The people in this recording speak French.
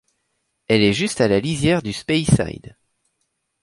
Elle est juste à la lisière du Speyside.